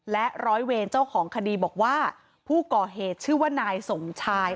และร้อยเวรเจ้าของคดีบอกว่าผู้ก่อเหตุชื่อว่านายสมชาย